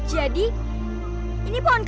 mau diapain pohon ini